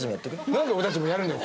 何で俺達もやるんだよ